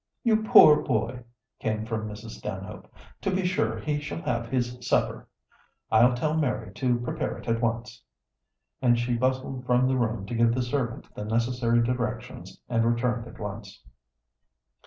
"You poor boy!" came from Mrs. Stanhope. "To be sure he shall have his supper. I'll tell Mary to prepare it at once," and she bustled from the room to give the servant the necessary directions, and returned at once.